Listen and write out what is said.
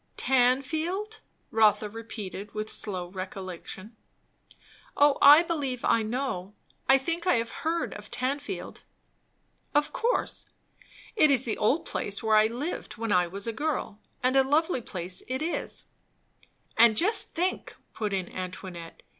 "Tanfield " Rotha repeated with slow recollection. "O I believe I know. I think I have heard of Tanfield." "Of course. It is the old place where I lived when I was a girl; and a lovely place it is." "And just think!" put in Antoinette.